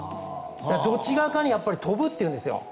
どっち側かに飛ぶというんですよ。